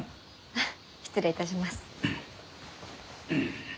あ失礼いたします。